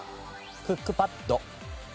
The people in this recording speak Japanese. クックパッド。